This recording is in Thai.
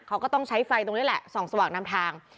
เขาก็ต้องใช้ไฟตรงนี้แหละส่องสว่างนำทาง